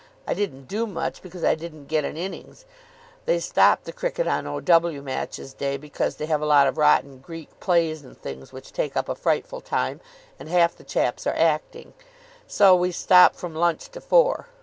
I didn't do much, because I didn't get an innings. They stop the cricket on O.W. matches day because they have a lot of rotten Greek plays and things which take up a frightful time, and half the chaps are acting, so we stop from lunch to four.